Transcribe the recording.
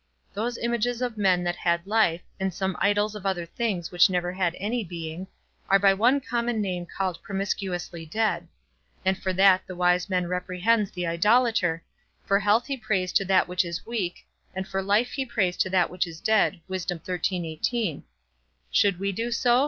Those images of men that had life, and some idols of other things which never had any being, are by one common name called promiscuously dead; and for that the wise man reprehends the idolater, for health he prays to that which is weak, and for life he prays to that which is dead. Should we do so?